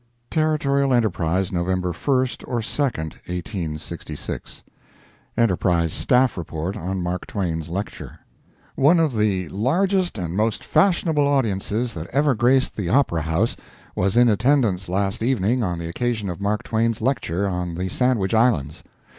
Territorial Enterprise, November 1 or 2, 1866 [Enterprise Staff report on Mark Twain's lecture] One of the largest and most fashionable audiences that ever graced the Opera House was in attendance last evening on the occasion of Mark Twain's lecture on the Sandwich Islands.